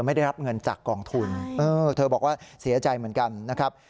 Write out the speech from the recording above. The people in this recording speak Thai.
ไม่ได้รับเงินจากกองทุนเธอบอกว่าเสียใจเหมือนกันนะครับ